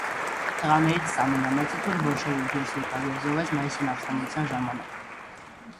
Տղաներիցս ամենամեծը թունդ բոլշևիկ դուրս եկավ և զոհվեց մայիսյան ապստամբության ժամանակ: